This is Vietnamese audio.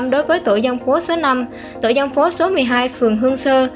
đối với tổ dân phố số năm tổ dân phố số một mươi hai phường hương sơ